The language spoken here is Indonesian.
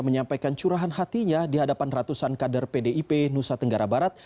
menyampaikan curahan hatinya di hadapan ratusan kader pdip nusa tenggara barat